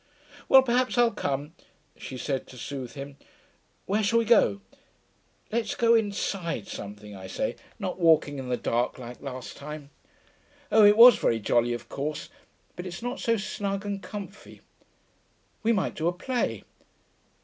'Well, perhaps I'll come,' she said, to soothe him. 'Where shall we go? Let's go inside something, I say, not walking in the dark like last time. Oh, it was very jolly, of course, but it's not so snug and comfy. We might do a play?...